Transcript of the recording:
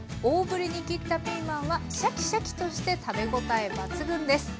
大ぶりに切ったピーマンはシャキシャキとして食べ応え抜群です。